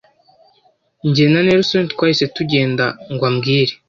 Njye na Nelson twahise tugenda ngo ambwire